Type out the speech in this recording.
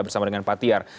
bersama dengan pak tiar